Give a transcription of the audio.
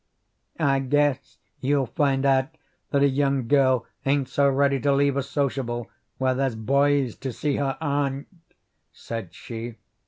"I guess you'll find out that a young girl ain't so ready to leave a sociable, where there's boys, to see her aunt," said she.